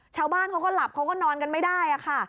ชาวบ้านเขาก็หลับเขาก็นอนกันไม่ได้ค่ะ